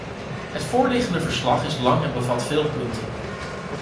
Het voorliggende verslag is lang en bevat veel punten.